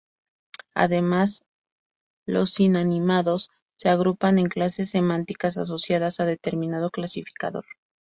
Además los inanimados se agrupan en clases semánticas asociadas a determinado clasificador.